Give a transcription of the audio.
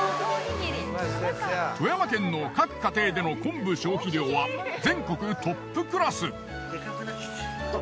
富山県の各家庭での昆布消費量は全国トップクラス。